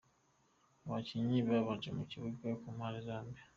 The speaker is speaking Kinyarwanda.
Abakinnyi babanje mu kibuga ku mpanze zombi:.